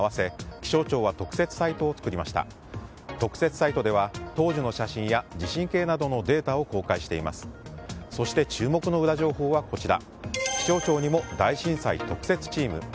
気象庁にも大震災特設チーム。